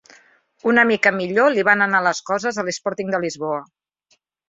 Una mica millor li van anar les coses a l'Sporting de Lisboa.